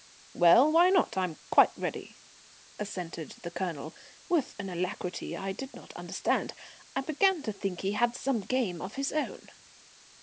"Well, why not? I'm quite ready," assented the Colonel, with an alacrity I did not understand. I began to think he had some game of his own.